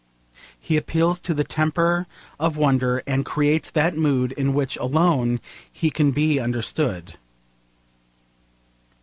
He appeals to the temper of wonder, and creates that mood in which alone he can be understood.